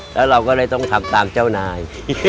แล้วเราก็เลยต้องทำตามเจ้านาย